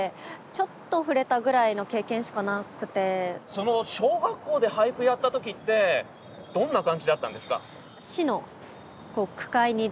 その小学校で俳句やった時ってどんな感じだったんですか？